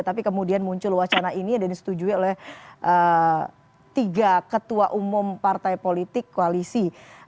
tapi kemudian muncul wacana ini dan disetujui oleh tiga ketua umum partai politik koalisi